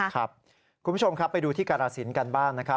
คุณผู้ชมครับไปดูที่การาศิลป์กันบ้าง